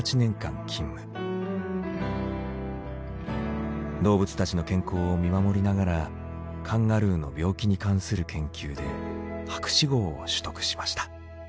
その後動物たちの健康を見守りながらカンガルーの病気に関する研究で博士号を取得しました。